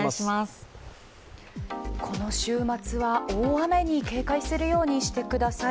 この週末は大雨に警戒するようにしてください。